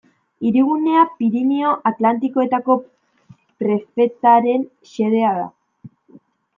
Hirigunea Pirinio Atlantikoetako prefetaren xedea da.